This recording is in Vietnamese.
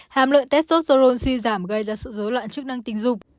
hàm lượng testosterone suy giảm gây ra sự dấu loạn chức năng tình dục